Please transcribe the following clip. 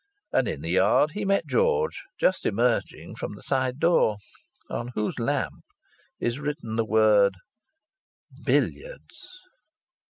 And in the yard he met George, just emerging from the side door on whose lamp is written the word "Billiards."